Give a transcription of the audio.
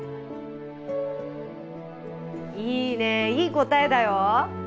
いいねいい答えだよ。